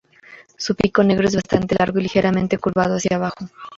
Su pico negro es bastante largo y ligeramente curvado hacia abajo.